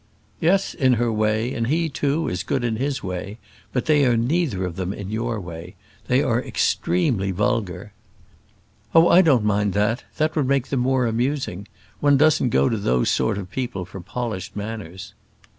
"Yes, in her way; and he, too, is good in his way; but they are neither of them in your way: they are extremely vulgar " "Oh! I don't mind that; that would make them more amusing; one doesn't go to those sort of people for polished manners."